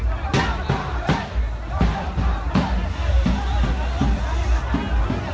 มันอาจจะไม่เอาเห็น